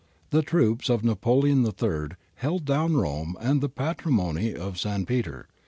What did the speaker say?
The troops of Napoleon III held down Rome and the Patrimony of S. Peter.